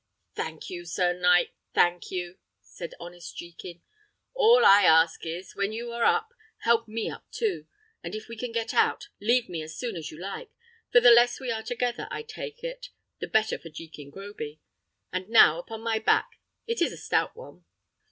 "Thank you, sir knight, thank you!" said honest Jekin. "All I ask is, when you are up, help me up too; and if we can get out, leave me as soon as you like, for the less we are together, I take it, the better for Jekin Groby. And now upon my back; it is a stout one."